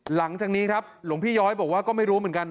หลังจากนี้ครับหลวงพี่ย้อยบอกว่าก็ไม่รู้เหมือนกัน